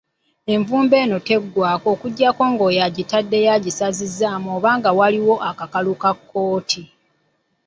Envumbo eno teggwaako okuggyako ng’oyo agitaddeyo agisazizzaamu oba nga waliwo akakalu ka kkooti.